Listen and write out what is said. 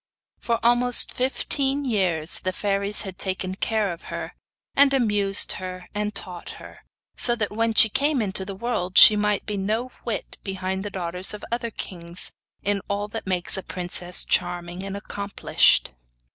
For almost fifteen years the fairies had taken care of her, and amused her and taught her, so that when she came into the world she might be no whit behind the daughters of other kings in all that makes a princess charming and accomplished.